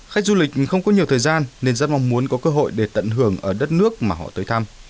khách du lịch không có nhiều thời gian nên rất mong muốn có cơ hội để tận hưởng ở đất nước mà họ tới thăm